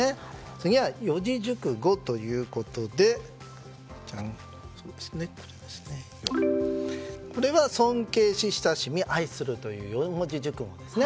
次は四字熟語ということでこれは、尊敬し親しみ愛するという四字熟語です。